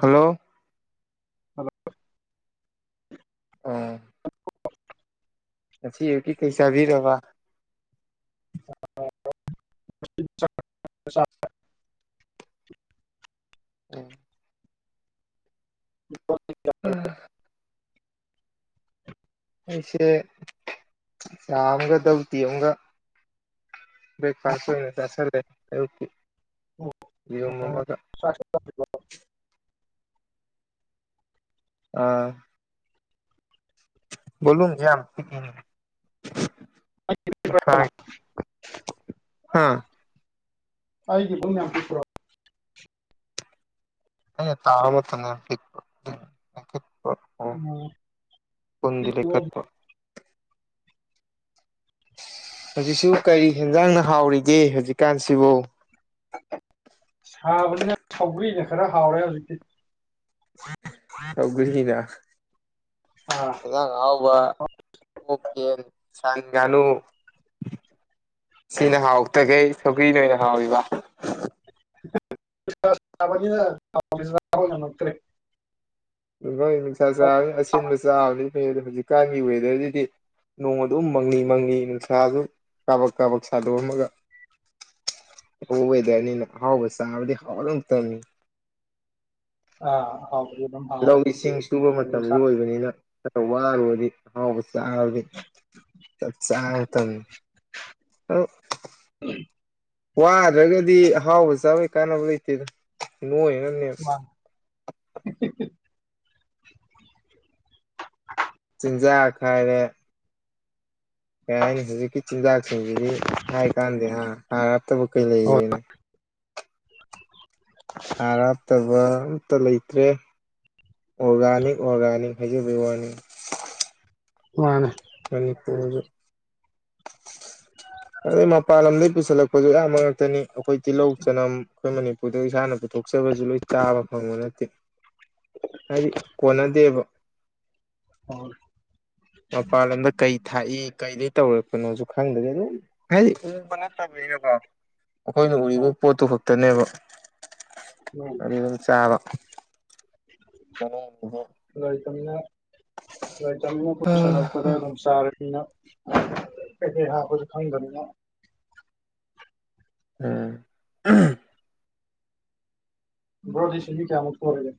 Hello hello ꯑ ꯑꯥ ꯉꯁꯤ ꯑꯌꯨꯛꯀꯤ ꯀꯩ ꯆꯥꯕꯤꯔꯕꯥ ꯑ ꯑ ꯑ ꯃ ꯆꯥꯔꯦ ꯎꯨꯝ ꯃꯨ ꯕ ꯗꯤ [unintelligible] ꯎꯨꯝꯍ ꯑꯩꯁꯦ ꯆꯥ ꯑꯝꯒ ꯙꯕꯂꯨꯇꯤ ꯑꯝꯒ ꯕ꯭ꯔꯦꯛꯐꯥꯁ ꯑꯣꯏꯅ ꯆꯥꯁꯤꯂꯦ ꯑꯌꯨꯛꯀꯤ ꯌꯦꯔꯨꯝ ꯑꯃꯒ ꯍꯜꯂꫭ ꯑꯥ ꯚꯣꯂꯨꯝꯖꯦ ꯌꯥꯝ ꯄꯤꯛꯏꯅꯦ ꯑꯩ ꯄꯥ ꯀꯣꯏ ꯅꯥ [unintelligible] ꯍꯥꯥ ꯑꯩꯒꯤꯕ ꯌꯥꯝ ꯄꯤꯛꯄ꯭ꯔꯣ ꯑꯩꯅ ꯇꯥꯕ ꯃꯇꯝꯗ ꯄꯤꯛꯄ ꯑꯣ ꯎꯝ ꯄꯨꯟꯗꯤ ꯄꯤꯛꯏꯕꯣ ꯂꯩꯈꯠꯄ ꯍꯧꯖꯤꯛꯁꯨ ꯀꯔꯤ ꯍꯦꯟꯖꯥꯡꯅ ꯍꯥꯎꯔꯤꯒꯦ ꯍꯧꯖꯤꯛꯀꯥꯟꯁꯤꯕꯣ ꯁꯥꯕꯅꯤꯅ ꯁꯧꯒ꯭ꯔꯤꯅ ꯈꯔ ꯍꯥꯎꯔꯦ ꯍꯧꯖꯤꯛꯇꯤ ꯁꯧꯒ꯭ꯔꯤꯅ ꯑꯥ ꯑꯦꯟꯖꯥꯡ ꯑꯥꯍꯥꯎꯕ ꯑꯣꯛ ꯌꯦꯟ ꯁꯟ ꯉꯥꯅꯨ ꯁꯤꯅ ꯍꯥꯎꯔꯛꯇꯈꯩ ꯁꯧꯒ꯭ꯔꯤꯅ ꯑꯣꯏꯅ ꯍꯥꯎꯔꯤꯕ [inaudible] ꯠꯇ꯭ꯔꯦ ꯌ ꯅꯨꯡꯁꯥ ꯆꯥꯕ ꯑꯦꯟꯕ ꯆꯥꯕꯅꯤ ꯐ ꯑꯗꯣ ꯍꯧꯖꯤꯛꯀꯥꯟꯒꯤ ꯋꯦꯗꯔꯁꯤꯗꯤ ꯅꯣꯡ ꯑꯗꯨꯝ ꯃꯪꯂꯤ ꯃꯪꯂꯤ ꯅꯨꯡꯁꯥꯁꯨ ꯀꯥꯕꯛ ꯀꯥꯕꯛ ꯁꯥꯗꯣꯛꯑꯝꯃꯒ ꯍꯗꯅꯤ ꯑꯍꯥꯎꯕ ꯆꯥꯔꯗꯤ ꯍꯥꯎꯗꯣ ꯃꯇꯝꯅꯤ ꯑ ꯑꯍꯥꯎꯕ ꯂꯧ ꯏꯁꯤꯡ ꯁꯨꯕ ꯃꯇꯝꯁꯨ ꯑꯣꯏꯕꯅꯤꯅ ꯆ ꯋꯥꯔꯨꯔꯗꯨ ꯑꯍꯥꯎꯕ ꯆꯥꯕꯒꯤ ꯆꯞ ꯆꯥꯕ ꯃꯇꯝꯅꯤ ꯑꯥ ꯋꯥꯗ꯭ꯔꯒꯗꯤ ꯑꯍꯥꯎꯕ ꯆꯥꯕꯩ ꯀꯥꯟꯅꯕ ꯂꯩꯇꯦꯗ ꯅꯣꯏꯒꯤꯅꯕꯅꯤ ꯇꯥꯛ ꯇꯥꯛ ꯆꯤꯟꯖꯥꯛ ꯍꯥꯏꯔꯦ ꯀꯩ ꯍꯥꯏꯅꯤ ꯍꯧꯖꯤꯛꯀꯤ ꯆꯤꯟꯖꯥꯛꯁꯤꯡꯁꯤꯗꯤ ꯍꯥꯏ ꯀꯥꯟꯗ ꯍꯥꯔ ꯍꯥꯞꯇꯕ ꯀꯩ ꯍꯣꯏ ꯂꯩꯒꯦꯅꯦ [inaudible] ꯍꯥꯔ ꯍꯥꯞꯇꯕ ꯑꯃꯇ ꯂꯩꯇ꯭ꯔꯦ ꯑꯣꯔꯒꯥꯅꯤꯛ ꯑꯣꯔꯒꯥꯅꯤꯛ ꯍꯥꯏꯖꯕꯒꯤ ꯋꯥꯅꯤ ꯃꯥꯅꯤ ꯀꯔꯤ ꯄꯣꯗ ꯑꯗꯩ ꯃꯄꯥꯟ ꯂꯝꯗꯒꯤꯩ ꯄꯨꯁꯤꯜꯂꯛꯄꯁꯨ ꯑꯌꯥꯝꯕ ꯉꯥꯛꯛꯇꯅꯤ ꯑꯩꯈꯣꯏ ꯇꯤꯜꯍꯧ ꯆꯅꯝ ꯑꯩꯈꯣꯏ ꯃꯅꯤꯄꯨꯔꯗꯒꯤ ꯏꯁꯥꯅ ꯄꯨꯊꯣꯛ ꯊꯣꯛꯆꯕꯁꯨ ꯂꯣꯏ ꯆꯥꯕ ꯐꯪꯕ ꯅꯠꯇꯦ ꯍꯥꯏꯗꯤ ꯀꯣꯟꯅꯗꯦꯕ ꯑꯣ ꯃꯄꯥꯟ ꯂꯝꯗ ꯀꯩ ꯊꯥꯛꯏ ꯀꯩꯗꯩ ꯇꯧꯔꯛꯄꯅꯣꯁꯨ ꯈꯪꯗꯒꯦ ꯑꯗꯨꯝ ꯍꯥꯏꯗꯤ ꯎꯔꯨꯕ ꯅꯠꯇꯕꯅꯤꯅꯀꯣ ꯑꯩꯈꯣꯏꯅ ꯎꯔꯤꯕ ꯄꯣꯠꯇꯨ ꯈꯛꯇꯅꯦꯕ ꯎꯝ ꯑꯗꯨ ꯑꯗꯨꯝ ꯆꯥꯕ ꯀꯔꯗ [inaudible] ꯍꯣꯏꯁꯂꯄꯔ ꯄꯨꯁꯤꯜꯂꯛꯄꯗ ꯑꯗꯨꯝ ꯆꯥꯔꯦ ꯐꯤꯅꯞ ꯀꯩ ꯀꯩ ꯍꯥꯄꯅ ꯈꯪꯗꯅꯤꯅ ꯎꯝ ꯎꯍꯨꯝ ꯕꯔꯣꯗꯤ ꯆꯍꯤ ꯀꯌ꯭ꯥꯃꯨꯛ ꯁꯨꯔꯥꯒꯦ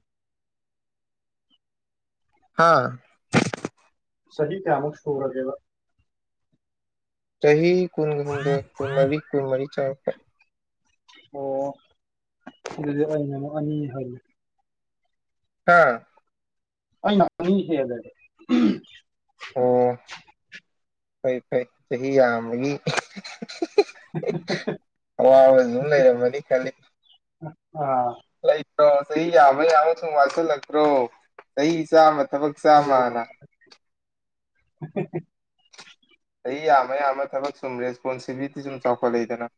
ꯍꯥꯥ ꯆꯥꯍꯤ ꯀꯌꯥꯃꯨꯛ ꯁꯨꯔꯒꯦꯕ ꯆꯍꯤ ꯀꯨꯟ ꯍꯨꯝꯗꯣꯏ ꯀꯨꯟ ꯃꯔꯤ ꯀꯨꯟ ꯃꯔꯤ ꯆꯥ ꯑꯣ ꯑꯗꯨꯗꯤ ꯑꯩꯅ ꯑꯃꯨꯛ ꯑꯅꯤ ꯍꯜꯂꯦ ꯍꯥ ꯑꯩꯅ ꯑꯅꯤ ꯍꯦꯂꯦ ꯑꯣ ꯐꯩ ꯐꯩ ꯆꯍꯤ ꯌꯥꯝ ꯒꯅꯤ ꯑꯋꯥꯕꯖꯨꯃ ꯂꯩꯔꯃꯅꯤ ꯈꯜꯂꯤ ꯑꯥ ꯂꯩꯇ꯭ꯔꯣ ꯆꯍꯤ ꯌꯥꯝꯃ ꯌꯥꯝꯃ ꯁꯨꯝ ꯋꯥꯠꯁꯤꯜꯂꯛꯇ꯭ꯔꯣ ꯆꯍꯤ ꯆꯥꯃ ꯊꯕꯛ ꯑꯩꯁꯨ ꯆꯥꯝꯃꯅ [inaudible] ꯆꯍꯤ ꯌꯥꯝꯃ ꯌꯥꯝꯃ ꯊꯕꯛ ꯁꯨꯝ ꯔꯦꯁꯄꯣꯟꯁꯤꯕꯤꯂꯤꯇꯤ ꯁꯨꯝ ꯆꯥꯎꯈꯠꯂꯛꯏꯗꯅ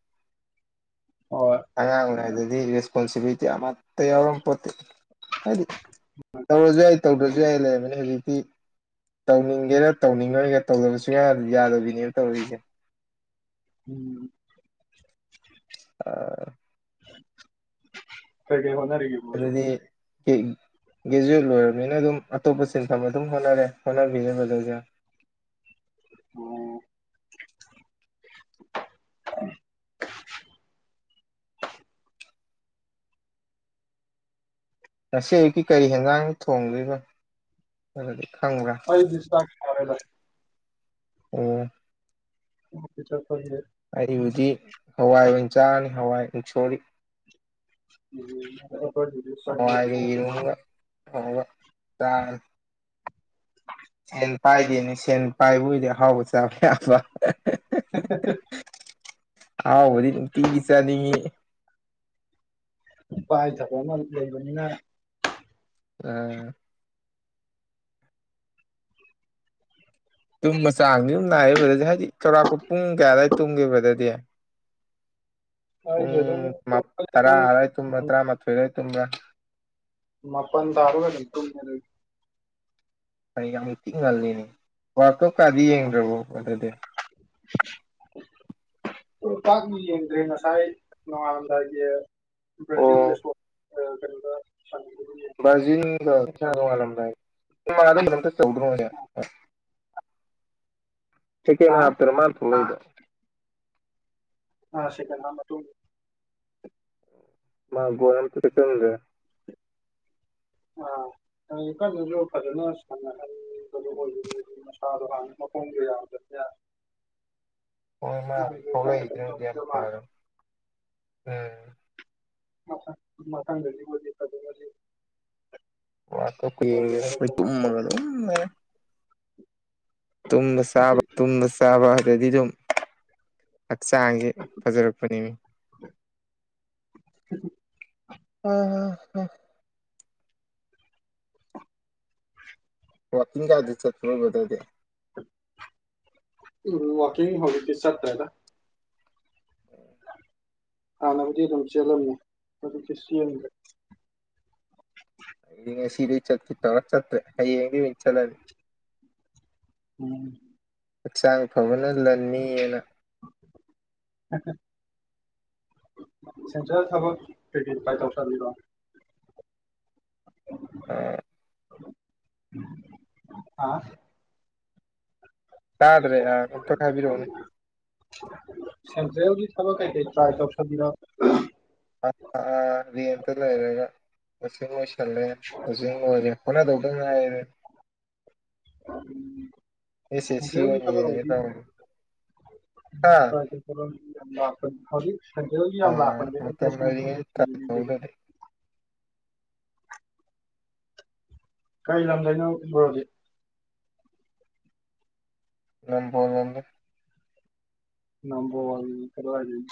ꯍꯣꯏ ꯑꯉꯥꯡ ꯑꯣꯏꯉꯩꯗꯗꯤ ꯔꯦꯁꯄꯣꯟꯁꯤꯕꯤꯂꯤꯇꯤ ꯑꯃꯠꯇ ꯌꯥꯎꯔꯝ ꯄꯣꯠꯇꯦ ꯍꯥꯏꯗꯤ ꯇꯧꯔꯁꯨ ꯌꯥꯏ ꯇꯧꯗ꯭ꯔꯁꯨ ꯌꯥꯏ ꯂꯩꯌꯥꯃꯤꯅ ꯍꯧꯖꯤꯛꯇꯤ ꯇꯧꯅꯤꯡꯒꯦꯔ ꯇꯧꯅꯤꯡꯉꯣꯏꯒ ꯇꯧꯗꯕꯁꯨꯌꯥ ꯌꯥꯗꯕꯤꯅꯦꯕ ꯇꯧꯔꯤꯁꯦ ꯎꯝ ꯑ ꯀꯩ ꯍꯣꯠꯅꯔꯤꯒꯦ ꯕꯔꯣꯗꯤ ꯀꯦ ꯏꯛ ꯒꯦꯖꯨꯋꯦꯠ ꯂꯣꯏꯔꯝꯅꯤꯅ ꯑꯗꯨꯝ ꯑꯇꯣꯞꯄ ꯁꯤꯟꯐꯝ ꯑꯗꯨꯝ ꯍꯣꯠꯅꯔꯦ ꯍꯣꯠꯅꯕꯤꯕꯗꯨꯖꯌꯥ [inaudible] ꯑꯣ [inaudible] ꯉꯁꯤ ꯑꯌꯨꯛꯀꯤ ꯀꯔꯤ ꯍꯦꯟꯖꯥꯡ ꯊꯣꯡꯗꯣꯏꯕ ꯑꯗꯨꯗꯤ ꯈꯪꯕ꯭ꯔꯥ ꯑꯩꯗꯤ ꯆꯥꯛ ꯐꯔꯦꯗ ꯑꯣ ꯎ ꯇꯤꯆꯔ ꯐꯌꯦ ꯑꯩꯕꯨꯗꯤ ꯍꯋꯥꯏ ꯑꯣꯏꯟ ꯆꯥꯔꯅꯤ ꯍꯋꯥꯏ ꯃꯨꯛꯁꯣꯔꯤ ꯎ [unintelligible] ꯐꯥꯎꯕ ꯆꯥꯔꯅꯤ ꯁꯦꯟ ꯄꯥꯏꯗꯦꯅꯦ ꯁꯦꯟ ꯄꯥꯏꯕꯨꯏꯗꯤ ꯑꯍꯥꯎꯕ ꯆꯥꯕ ꯌꯥꯕ ꯑꯥꯍꯥꯎꯕꯗꯤ ꯅꯨꯡꯇꯤꯒꯤ ꯆꯥꯅꯤꯡꯏ ꯄꯥꯏ ꯗꯕ ꯑꯃ ꯂꯩꯕꯅꯤꯅꯥ ꯑ ꯇꯨꯝꯕ ꯆꯥꯡꯅꯤ ꯌꯨꯝ ꯅꯥꯏꯌꯦ ꯕꯗꯗꯤ ꯍꯥꯏꯗꯤ ꯆꯥꯎꯧꯔꯥꯛꯄ ꯄꯨꯡ ꯀꯌꯥ ꯑꯋꯥꯏꯗ ꯇꯨꯝꯒꯦ ꯕꯔꯗꯗꯤ ꯄꯨꯡ ꯑꯩꯗꯤ ꯑꯗꯨꯝ ꯃꯥ ꯇꯨꯝꯕꯗꯤ ꯇꯔꯥ ꯄꯨꯡ ꯑꯔꯥꯏ ꯇꯨꯝꯕ ꯇꯔꯥꯃꯥꯊꯣꯏ ꯔꯥꯏ ꯇꯨꯝꯕꯔ꯭ ꯃꯥꯄꯟ ꯇꯥꯕꯒ ꯗꯨꯝ ꯇꯨꯝꯃꯦꯗꯥ ꯑꯩ ꯑꯩ ꯌꯥꯝ ꯇꯤꯡ ꯉꯜꯂꯦꯅꯦ ꯋꯥꯜ ꯀꯞ ꯀꯥꯗꯤ ꯌꯦꯡꯗ꯭ꯔꯕꯣ ꯑꯗꯨꯗꯤ ꯑꯣ ꯇꯥꯛꯅ ꯌꯦꯡꯗ꯭ꯔꯦ ꯉꯁꯥꯏ ꯅꯣꯡꯉꯥꯜꯂꯝꯗꯥꯏꯒꯤ ꯕꯔ꯭ꯖꯤꯜꯒ ꯑꯣ ꯁꯣ ꯑ ꯀꯅꯣꯒ ꯁꯥꯅꯒꯤꯕ ꯕꯔ꯭ꯖꯤꯟꯒ ꯁꯥꯏ ꯅꯨꯡꯉꯥꯂꯝꯗꯥꯏ ꯃ ꯑꯗꯨꯝ ꯗꯃꯛꯇ ꯇꯧꯗꯔꯣꯍꯦ [inaudible] ꯁꯦꯀꯦꯟ ꯍꯥ ꯍꯥꯥꯞꯇꯔ ꯃꯥꯟꯅ ꯊꯣꯂꯛꯏꯗꯣ ꯑ ꯁꯤꯀꯦꯟ ꯍꯥꯞ ꯃꯇꯨꯡ ꯃꯥ ꯒꯣꯜ ꯑꯝꯇꯗꯤ ꯆꯟꯗꯦ ꯑ ꯀꯩ ꯀꯟꯂꯖꯨ ꯐꯖꯅ ꯁꯥꯟꯅꯖꯟ [unintelligible] ꯍꯣꯏ ꯃꯥꯑꯗꯩ ꯊꫭꯛꯂꯩꯗꯨꯅ ꯚꯥꯟ ꯃꯥꯜꯂꯦ ꯇꯔꯝ ꯎꯝ ꯃꯊꯪ ꯃꯊꯪꯒꯗꯤ [unintelligible] ꯋꯥꯜ ꯀꯞ ꯀ ꯌꯦꯡꯗꯦꯗ ꯑꯩꯈꯣꯏ ꯇꯨꯝꯃꯒꯥ ꯗꯨꯝ ꯂꯩꯔꯦ ꯇꯨꯝꯕ ꯆꯥꯕ ꯇꯨꯝꯕ ꯆꯥꯕ ꯑꯗꯗꯤꯗꯨꯝ ꯍꯛꯆꯥꯡꯖꯦ ꯐꯖꯔꯛꯄꯅꯦ ꯑꯥ ꯑ ꯑ [unintelligible] ꯋꯥꯀꯤꯡꯒꯗꯤ ꯆꯠꯄꯔꫭ ꯕꯔ꯭ꯗꯔꯗꯤ ꯎ ꯋꯥꯀꯤꯡ ꯍꯧꯖꯤꯛꯇꯤ ꯆꯠꯇꯔꯦꯗ ꯍꯥꯟꯅꯕꯨꯗꯤ ꯑꯗꯨꯝ ꯆꯦꯜꯂꯝꯃꯦ ꯍꯧꯖꯤꯛꯇꯤ ꯆꯦꯟꯗꯔꯦ ꯑꯩꯗꯤ ꯉꯁꯤꯗꯩ ꯆꯠ ꯀꯦ ꯇꯩꯔ ꯆꯠꯇꯔꯦ ꯍꯌꯦꯡꯗꯩ ꯑꫭꯏꯅ ꯆꯠꯂꯅꯤ ꯎꯝ ꯍꯛꯆꯥꯡ ꯐꯕꯅ ꯂꯟꯅꯤ ꯑꯅ ꯁꯦꯟꯇ꯭ꯔꯦꯜ ꯊꯕꯛ ꯀꯩ ꯀꯩ ꯇꯔꯥꯏ ꯇꯧꯁꯤꯜꯂꯤꯕ ꯑꯥ ꯑꯥ ꯇꯥꯗ꯭ꯔꯦ ꯑ ꯑꯝꯇꯒ ꯍꯥꯏꯕꯤꯔꯛꯎꯅꯦ ꯁꯦꯟꯇ꯭ꯔꯦꯜꯒꯤ ꯊꯕꯛ ꯀꯩꯀꯩ ꯇ꯭ꯔꯥꯏ ꯇꯧꯁꯕꯤꯔ ꯔꯤꯌꯦꯜꯗ ꯂꯩꯔꯒ ꯇꫭꯁꯤꯛ ꯂꫭꯏꯁꯤꯜꯂꯦ ꯍꯧꯖꯤꯛ ꯂꫭꯏꯔꯦ ꯈꫭꯠꯅꯗꯧꯗꯪ ꯉꯥꯏꯔꯦ ꯑꯦꯁ ꯑꯦꯁ ꯎꯝ ꯁꯤ ꯅꯦꯆꯥꯂꯦꯜꯒꯤ ꯑꯣꯏꯅ ꯌꯦꯡꯒꯦ ꯇꯧꯕꯅꯤ ꯍꯥ ꯊꯒꯠ ꯍꯧꯗꯔ꯭ꯤꯅꯦ [unintelligible] ꯁꯦꯟꯇ꯭ꯔꯦꯜꯒꯤ ꯌꯥꯝ ꯂꯥꯛꯄꯅꯦ ꯑꯦꯝ ꯄꯦ ꯃꯇꯝ ꯁꯤꯒꯤ ꯂꯩꯔꯤꯉꯩ ꯗꯤꯒꯔ꯭ꯤꯗꯒꯤ ꯇꯥꯟꯍꯧꯗ꯭ꯔꯗꯤ ꯀꯩ ꯂꯝꯗꯩꯅꯣ ꯕꯔꯣꯗꯤ ꯉꯝꯐꯥꯎ ꯉꯝꯗꯦ ꯅꯝꯕꯣꯜ ꯀꯗꯨꯋꯥꯏꯗꯩꯅꫭ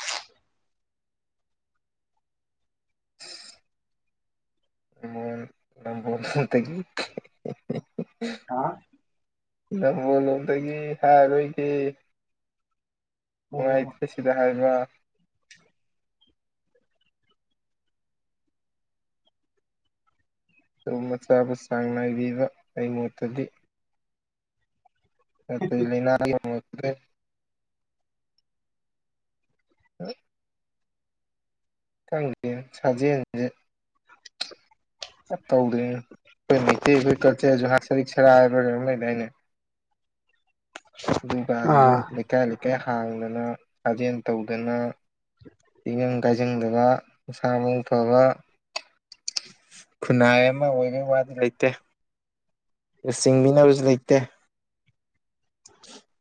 ꯅꯝꯕꫭꯡ ꯅꯝꯕꫭꯟ ꯊꯨꯠꯅꯇꯒꯤ ꯍꯥꯥ ꯅꯝꯕꫭꯜ ꯂꫭꯝꯗꯒꯤ ꯍꯥꯏꯔꯣꯏꯒꯦ ꯑꯣ ꯅꯨꯡꯉꯥꯏ ꯊꯠ ꯁꯤꯗ ꯍꯥꯏꯕꯔ ꯇꯨꯝꯕ ꯆꯥꯕ ꯆꯥꯡ ꯅꯥꯏꯕꯤꯕ ꯑꯩ ꯃꯣꯠꯇꯗꯤ ꯑꯠꯇꯩ ꯂꯩꯅꯔꯒꯤ ꯑꯣꯏꯗꯔ꯭ꯦ [inaudible] ꯈꯪꯗꯦꯅꯦ ꯁꯖꯦꯟꯖꯦ ꯑꯩ ꯇꯧꯗꫪꯤ ꯑꯩꯈꯣꯏ ꯃꯩꯇꯩ ꯑꯩꯈꯣꯏ ꯀꯜꯆꯔꯁꯨ ꯁꯔꯤꯛ ꯁꯔꯥ ꯍꯥꯏꯕꯔ ꯀꯩꯅꫭꯝ ꯂꯩꯗꯥꯏꯅꯦ [unintelligible] [inaudible] ꯗꯨꯔꯕꯖꯤꯖꯨ ꯑꯥ ꯂꯩꯀꯥꯏ ꯂꯩꯀꯥꯏ ꯍꯥꯡꯗꯅ ꯁꯥꯖꯦꯜ ꯇꯧꯗꯅ ꯇꯤꯡꯒꯪ ꯀꯥꯏꯖꯪꯗꯕ ꯃꯁꯥ ꯃꯎ ꯐꯕ ꯈꯨꯟꯅꯥꯏ ꯑꯃ ꯑꯣꯏꯕꯒꯤ ꯋꯥꯗꯤ ꯂꯩꯇꯦ ꯑꯗꯨ ꯆꯤꯡꯕꯤꯅꯕꯁꯨ ꯂꯩꯇꯦ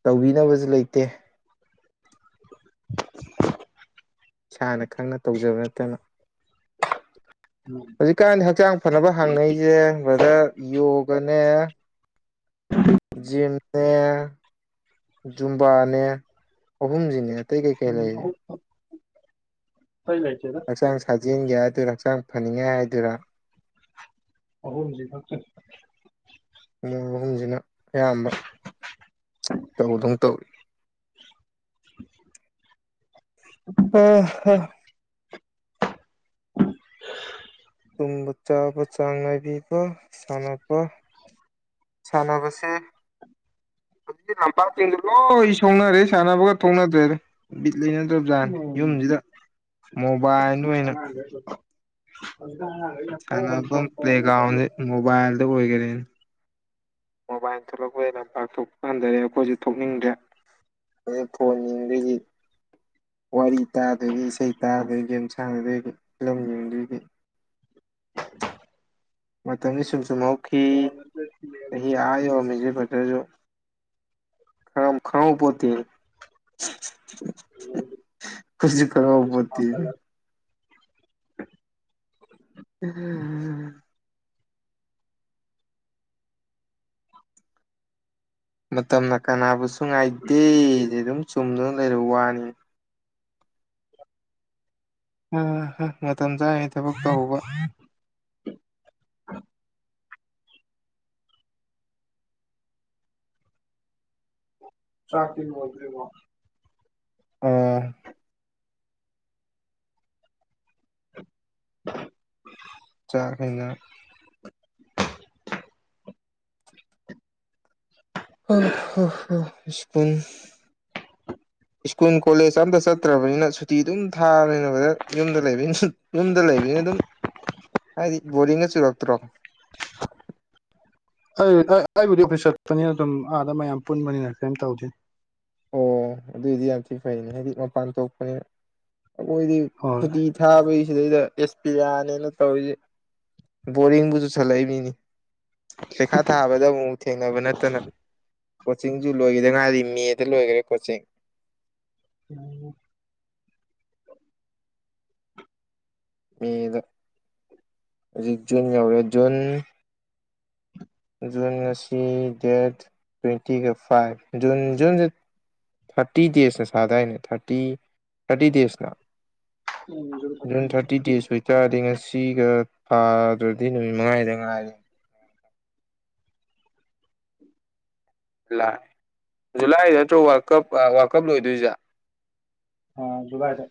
ꯇꯧꯕꯤꯅꯕꯖꯨ ꯂꯩꯇꯦ [unintelligible] ꯏꯁꯥꯅ ꯈꯪꯅ ꯇꯧꯖꯕ ꯅꯠꯇꯅ ꯎꯝ ꯍꯧꯖꯤꯛꯀꯥꯟꯗꯤ ꯍꯛꯆꯥꯡ ꯐꯅꯕ ꯍꯥꯡꯅꯩꯖꯦ ꯕꯔ꯭ꯗꯔ ꯌꯣꯒꯅꯦ ꯖꯤꯝꯅꯦ ꯖꯨꯝꯕꯥꯅꯦ ꯑꯍꯨꯝꯖꯤꯅꯦ ꯑꯇꯩ ꯀꯩ ꯀꯩ ꯂꯩꯂꯤ ꯍꯩ ꯂꯩꯇꯦꯗ ꯌꯦꯡꯒꯦ ꯍꯥꯏ ꯗꫭꯏꯔ ꯍꯛꯆꯥꯡ ꯐꯅꯤꯡꯉꯦ ꯍꯥꯏꯗꫭꯏꯔ ꯑꯍꯨꯝꯖꯤ ꯈꯛꯇ ꯃꯣꯏ ꯑꯍꯨꯝꯖꯤꯅ ꯑꯌꯥꯝꯕ ꯇꯧꯗꯝ ꯇꯧꯏ [unintelligible] ꯑ ꯍꯥ ꯇꯨꯝꯕ ꯆꯥꯕ ꯆꯥꯡ ꯅꯥꯏꯕꯤꯌꯨꯀꯣ ꯁꯥꯟꯅꯕ ꯁꯥꯅꯕꯁꯤ ꯂꯝꯄꯥꯛꯆꯤꯡꯗꯨ ꯂꯣꯏ ꯁꯣꯡꯅꯔꯦ ꯁꯥꯟꯅꯕꯒ ꯊꯣꯛꯅꯗ꯭ꯔꯦꯗ ꯕꯤꯠ ꯂꯩꯅꯗ꯭ꯔꯕ ꯖꯥꯠꯅꯤ ꯎꯝ ꯌꯨꯝꯖꯤꯗ ꯃꯣꯕꯥꯏꯜꯗ ꯑꯣꯏꯅ ꯍ [unintelligible] ꯁꯥꯟꯅꯕꯝ ꯄ꯭ꯂꯦꯒ꯭ꯔꯥꯎꯟꯖꯦ ꯃꯣꯕꯥꯥꯏꯜꯗ ꯑꯣꯏꯒꯔ꯭ꯦꯅꯦ ꯃꯣꯕꯥꯏꯜ ꯊꯣꯛꯂꯛꯄ ꯑꯣꯏꯅ ꯄꯥꯛ ꯊꯣꯛ ꯍꯟꯗꯔꯦ ꯑꯈꯣꯏꯁꯨ ꯊꯣꯛꯅꯤꯡꯗ꯭ꯔꯦ ꯑ ꯐꯣꯟ ꯌꯦꯡꯕꯒꯤ ꯋꯥꯔꯤ ꯇꯥꯗꯣꯏꯒꯤ ꯏꯁꯩ ꯇꯥꯗꯣꯏ ꯒꯦꯝ ꯁꯥꯟꯅꯗꯣꯏꯗꯒꯤ ꯐꯤꯂꯝ ꯌꯦꯡꯗꯣꯏꯒꯤ [inaudible] ꯃꯇꯝꯗꯤ ꯁꯨꯝ ꯁꯨꯝ ꯍꯧꯈꯤ ꯐꯣꯟ ꯑꯗꯩ ꯒꯦꯝ ꯆꯍꯤ ꯑꯥ ꯌꯧꯔꯝꯃꯤꯖꯦ ꯐ ꯗꯖꯨ ꯑꯗꯨꯝ ꯈꯪꯍꯧ ꯄꯣꯠꯇꯦꯍꯦ ꯀꯁꯨ ꯈꯪꯍꯧ ꯄꯣꯠꯇꯦ꯫ ꯑꯥ ꯍ ꯍ ꯃꯇꯝꯅ ꯀꯅꯥꯕꯨꯁꯨ ꯉꯥꯏꯇꯦ ꯗꯤ ꯑꯗꯨꯝ ꯆꯨꯝꯗꯨꯅ ꯂꯩꯔꯕ ꯋꯥꯅꯤꯅꯦ ꯑ ꯍꯥ ꯃꯇꯝ ꯆꯥꯔꯤꯉꯩꯗ ꯊꯕꯛ ꯇꯧꯍꯧꯕ ꯆꯥꯛꯇꯤ ꯂꯣꯏꯗꯔ꯭ꯤꯕꯣ ꯑꯣ [unintelligible] ꯉꯥꯈꯩꯅ ꯑ ꯍ ꯍ ꯎꯝ ꯁ꯭ꯀꯨꯜ ꯀꯣꯂꯦꯖ ꯑꯝꯇ ꯆꯠꯇ꯭ꯔꯕꯅꯤꯅ ꯁꯨꯇꯤ ꯑꯗꯨꯝ ꯊꯥꯕꯅꯤꯅ ꯌ ꯋꯥꯔ ꯌꯨꯝꯗ ꯂꯩꯕꯅꯤꯅ ꯁ ꯌꯨꯝꯗ ꯂꯩꯕꯅꯤꯅ ꯗꯨꯝ ꯍꯥꯏꯗꯤ ꯕꯣꯔꯤꯡ ꯇꯨꯔꯛꯇꯔꯣ ꯑꯩ ꯑꯥ ꯑꯩꯕꯨꯗꯤ ꯑꯣꯐꯤꯁ ꯆꯠꯄꯅꯤꯅ ꯗꯨꯝ ꯑꯥꯗ ꯃꯌꯥꯝ ꯄꯨꯟꯕꯅꯤꯅ ꯀꯩꯝ ꯇꯧꯗꯦ ꯑꯣ ꯑꯗꯨꯏꯗꯤ ꯌꯥꯝ ꯊꯤ ꯐꯩꯅꯦ ꯍꯥꯏꯗꯤ ꯃꯄꯥꯟ ꯊꯣꯛꯄꯅꯤꯅ ꯑꯈꯣꯏꯗꯤ ꯍꯣꯏ ꯁꯨꯇꯤ ꯊꯥꯕꯒꯤ ꯁꯤꯗꯩꯗ ꯑꯦꯁꯄꯤꯌꯥꯅꯤꯅ ꯇꯧꯔꯤꯖꯤ ꯕꯣꯔꯤꯡꯕꯨ ꯆꯨꯁꯜꯂꯛꯏꯝꯅꯤꯅꯤ ꯄꯩꯈꯥ ꯊꯥꯕꯗ ꯑꯃꯨꯛ ꯊꯦꯡꯅꯕ ꯅꯠꯇꯅ ꯀꯣꯆꯤꯡꯖꯨ ꯂꯣꯏꯒꯤꯗ ꯉꯥꯏꯔꯤ ꯃꯦꯠ ꯂꯣꯏꯒꯔꯦ ꯀꯣꯆꯤꯡ ꯎꯝ ꯃꯦꯗ ꯍꯧꯖꯤꯛ ꯖꯨꯟ ꯌꯧꯔꯦ ꯖꯨꯟ ꯖꯨꯟ ꯉꯁꯤ ꯗꯦꯠ ꯇ꯭ꯋꯦꯟꯇꯤꯒ ꯐꯥꯏꯚ ꯖꯨꯟ ꯖꯨꯟꯖꯤ ꯊꯥꯔꯇꯤ ꯗꯦꯖꯅ ꯁꯥꯗꯥ꯭ꯏꯅꯦ ꯊꯥꯔꯇꯤ ꯊꯥꯔꯇꯤ ꯗꯦꯖꯅ ꯎꯝ ꯊꯥꯔꯇꯤ ꯗꯦꯁ ꯑꯣꯏ ꯇꯥꯔꯗꯤ ꯉꯁꯤ ꯉꯁꯤꯒ ꯊꯥꯗ꯭ꯔꯗꯤ ꯅꯨꯃꯤꯠ ꯃꯉꯥꯅꯤꯗ ꯉꯥꯏꯔꯦ ꯂꯥꯏ ꯖꯨꯂꯥꯏ ꯅꯠꯇ꯭ꯔꯣ ꯋꯥꯔꯜ ꯀꯞ ꯋꯥꯔꯜ ꯀꯞ ꯂꯣꯏꯗꯣꯏꯖꯦ ꯑ ꯖꯨꯂꯥꯏꯗ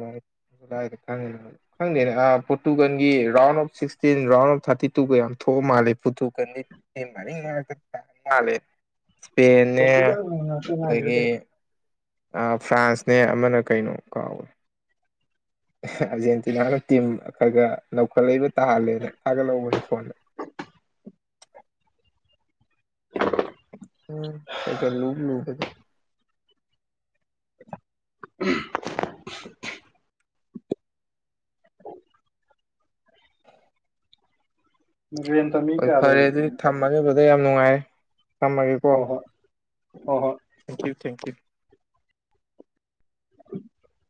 ꯍꯣꯏ꯫ ꯖꯨꯂꯥꯌꯒ ꯈꯪꯗꯦ ꯈꯪꯗꯦꯅꯦ ꯑꯥ ꯄꯣꯔꯇꯨꯒꯜꯒꯤ round of sixteen round of thirty ꯇꯨꯒ ꯌꯥꯝ ꯊꯣꯛ ꯃꯥꯂꯦ ꯄꯨꯇꯨꯒꯜꯗꯤ ꯑꯃ ꯑꯅꯤ ꯃꯔꯛꯇ ꯇꯥꯔꯤ ꯃꯥꯂꯦ ꯏꯁꯄꯦꯟꯅꯦ ꯄꯣꯔꯇꯨꯒꯜ ꯉꯥꯛꯇ ꯉꯥꯏꯈ꯭ꯔꯦ ꯑꯗꯒꯤ ꯇꯧꯏ ꯐ꯭ꯔꯥꯟꯁꯅꯦ ꯑꯃꯅ ꯀꯩꯅꯣ ꯀꯥꯎꯔꯦ ꯍꯥꯑꯥꯔꯖꯦꯟꯇꯤꯅꯥꯒ ꯇꯤꯝ ꯈꯔ ꯒꯔ ꯅꯧꯈꯠꯂꯛꯏꯕ ꯇꯥꯍꯜꯂꯦꯅ ꯊꯥꯒꯠꯍꯧꯕꯅꯤ ꯐꯣꯟꯗ [inaudible] ꯎꯝ ꯈ ꯒ ꯂꯨ ꯂꯨꯕꯗꯤ [inaudible] ꯔꯦꯟꯇ ꯃꯤ ꯍꯣꯏ ꯀꯌꯥ ꯐꯔꯦ ꯂꯩꯔꯤꯅꯣ ꯑꯗꯨꯗꯤ ꯊꯝꯃꯒꯦ ꯕꯗꯔ ꯌꯥꯝ ꯅꯨꯡꯉꯥꯏꯔꯦ ꯊꯝꯃꯒꯦꯀꯣ ꯍꯣꯏ ꯍꯣꯏ ꯍꯣꯏ ꯍꯣꯏ ꯊꯦꯡꯀ꯭ꯌꯨ ꯊꯦꯡꯀ꯭ꯌꯨ ꯎꯝ